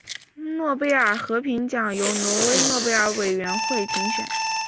诺贝尔和平奖由挪威诺贝尔委员会评选。